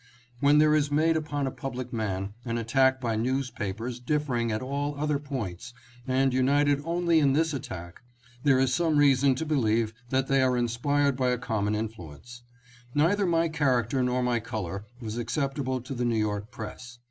When there is made upon a public man an attack by newspapers differing at all other points and united only in this attack, there is some reason to believe that they are inspired by a common influence. Neither my character nor my color was acceptable to the New York press.